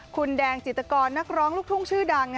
คุณแดงจิตกรนักร้องลูกทุ่งชื่อดัง